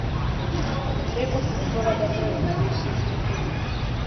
მიეკუთვნება ზონა-და-მატის მეზორეგიონს.